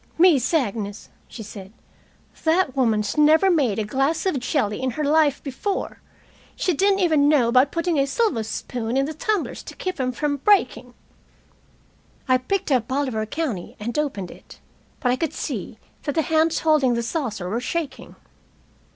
"Miss Agnes," she said, "that woman's never made a glass of jelly in her life before. She didn't even know about putting a silver spoon in the tumblers to keep 'em from breaking." I picked up "Bolivar County" and opened it, but I could see that the hands holding the saucer were shaking.